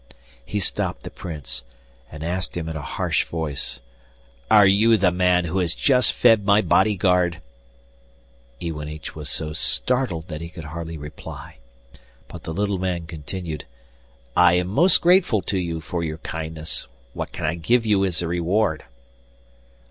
He stopped the Prince and asked him in a harsh voice: 'Are you the man who has just fed my body guard?' Iwanich was so startled that he could hardly reply, but the little man continued: 'I am most grateful to you for your kindness; what can I give you as a reward?